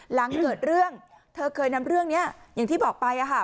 หลังเกิดเรื่องเธอเคยนำเรื่องนี้อย่างที่บอกไป